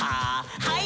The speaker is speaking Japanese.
はい。